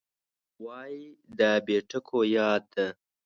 یو وای دا بې ټکو یا ده